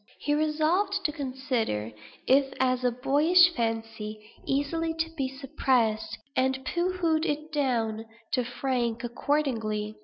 He resolved to consider it as a boyish fancy, easily to be suppressed; and pooh poohed it down, to Frank, accordingly.